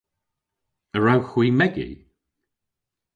A wrewgh hwi megi?